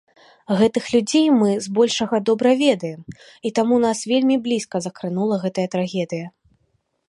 Гэтых людзей мы, збольшага, добра ведаем, і таму нас вельмі блізка закранула гэтая трагедыя.